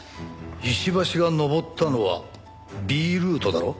石橋が登ったのはＢルートだろ？